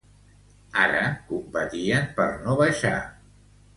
Ara, competien per no baixar.